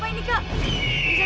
lukisan itu bergerak